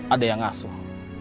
ada yang asuh